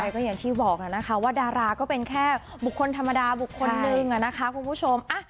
ก็อย่างที่บอกนะคะว่าดาราก็เป็นแค่บุคคลธรรมดาบุคคลนึงนะคะคุณผู้ชม